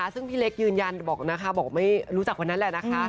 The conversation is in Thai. ซึ่งพี่เล็กยืนยันบอกนะคะบอกไม่รู้จักคนนั้นแหละนะคะ